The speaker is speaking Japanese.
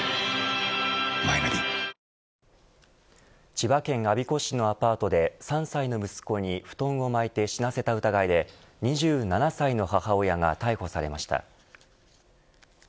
千葉県我孫子市のアパートで３歳の息子に布団を巻いて死なせた疑いで２７歳の母親が逮捕されました。